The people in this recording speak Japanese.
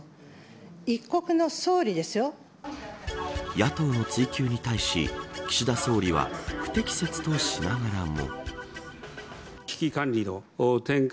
野党の追及に対し、岸田総理は不適切としながらも。